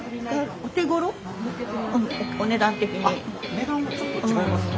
値段もちょっと違いますか？